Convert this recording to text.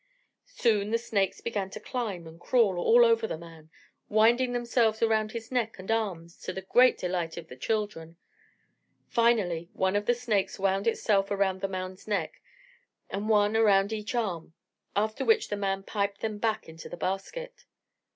Soon the snakes began to climb and crawl all over the man, winding themselves around his neck and arms to the great delight of the children. Finally one of the snakes wound itself around the man's neck; and one around each arm; after which the man piped them back into their basket.